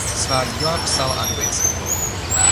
Svá díla psal anglicky.